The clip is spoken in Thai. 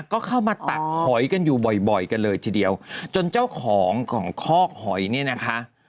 ก็เข้ามาตักหอยกันอยู่บ่อยบ่อยกันเลยทีเดียวจนเจ้าของของคอกหอยเนี่ยนะคะ